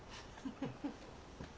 フフフ。